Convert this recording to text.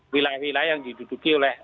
wilayah wilayah yang diduduki oleh